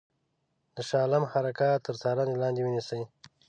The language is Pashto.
د شاه عالم حرکات تر څارني لاندي ونیسي.